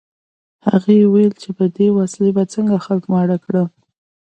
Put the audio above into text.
هغه ویې ویل چې په دې وسیلې به څنګه خلک ماړه کړم